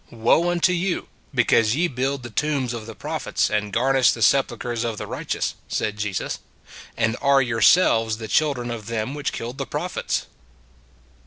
Woe unto you ! because ye build the 1 68 It s a Good Old World tombs of the prophets, and garnish the sepulchers of the righteous," said Jesus, " and are yourselves the children of them which killed the prophets."